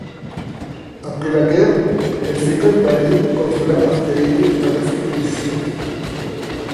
Après la guerre, elle fait campagne contre l'apartheid en Afrique du Sud.